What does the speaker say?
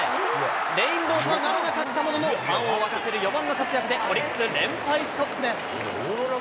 レインボーとはならなかったものの、ファンを沸かせる４番の活躍で、オリックス連敗ストップです。